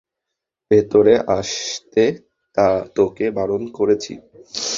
ভেতরে আসতে তোকে বারণ করেছি!